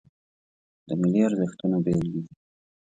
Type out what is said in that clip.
د ملي ارزښتونو بیلګې